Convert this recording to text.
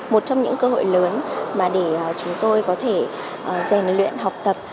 một trong những cơ hội lớn để chúng tôi có thể giành luyện học tập